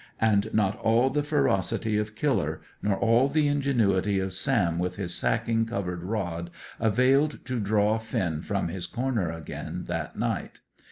And not all the ferocity of Killer, nor all the ingenuity of Sam with his sacking covered rod, availed to draw Finn from his corner again that night.